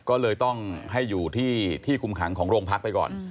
ก็เลยต้องให้อยู่ที่คุมขังของโรงพักไปก่อน